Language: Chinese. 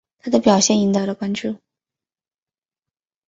他的表现赢得了关注。